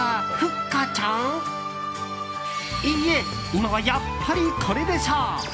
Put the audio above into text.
今はやっぱり、これでしょう。